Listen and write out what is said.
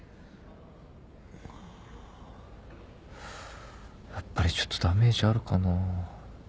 やっぱりちょっとダメージあるかなぁ。